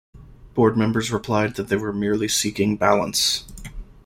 Board members replied that they were merely seeking balance.